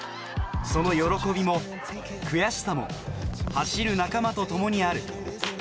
その喜びも悔しさも走る仲間とともにある。